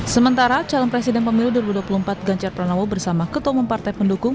sementara calon presiden pemilu dua ribu dua puluh empat ganjar pranowo bersama ketua umum partai pendukung